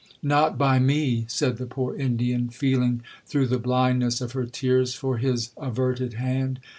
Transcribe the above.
'—'Not by me,' said the poor Indian, feeling, through the blindness of her tears, for his averted hand.